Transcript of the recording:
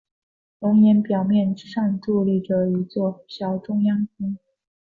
熔岩表面之上矗立着一座小中央峰。